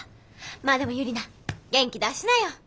まあでもユリナ元気出しなよ。